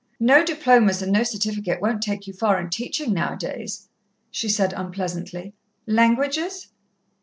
"No diplomas and no certificate won't take you far in teaching now a days," she said unpleasantly. "Languages?"